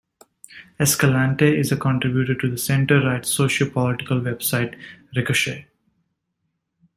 Escalante is a contributor to the center-right socio-political website Ricochet.